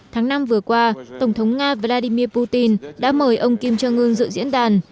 tháng năm vừa qua tổng thống nga vladimir putin đã mời ông kim jong un dự diễn đàn